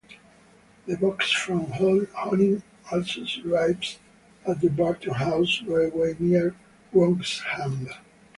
The 'box from Honing also survives at the Barton House Railway near Wroxham.